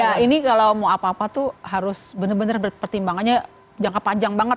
ya ini kalau mau apa apa tuh harus bener bener pertimbangannya jangka panjang banget